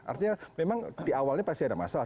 artinya memang di awalnya pasti ada masalah